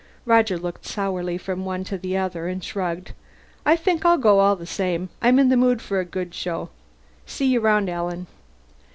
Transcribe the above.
Roger looked sourly from one to the other, and shrugged. "I think I'll go all the same. I'm in the mood for a good show. See you around, Alan."